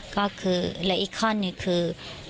ก็คือและอีกข้อหนึ่งคือ